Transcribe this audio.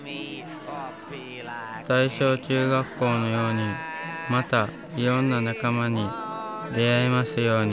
大正中学校のようにまたいろんな仲間に出会えますように。